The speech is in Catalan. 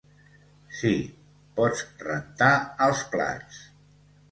Sí, pots rentar els plats.